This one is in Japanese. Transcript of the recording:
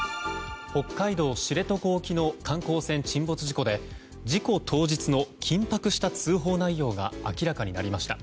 北海道知床沖の観光船沈没事故で事故当日の緊迫した通報内容が明らかになりました。